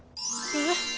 えっ？